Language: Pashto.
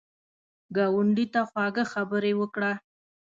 ګاونډي ته خواږه خبرې وکړه